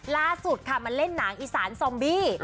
ล่าสุดค่ะมาเล่นหนังอีสานซอมบี้